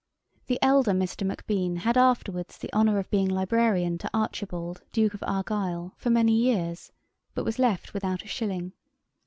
The elder Mr. Macbean had afterwards the honour of being Librarian to Archibald, Duke of Argyle, for many years, but was left without a shilling.